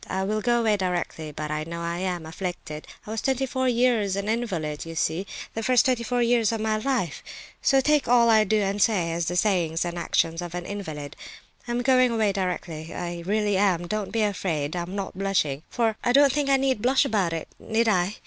I will go away directly; but I know I am afflicted. I was twenty four years an invalid, you see—the first twenty four years of my life—so take all I do and say as the sayings and actions of an invalid. I'm going away directly, I really am—don't be afraid. I am not blushing, for I don't think I need blush about it, need I?